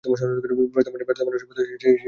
ব্যর্থ মানুষের মত ওখানে দাঁড়িয়ে থেকো না!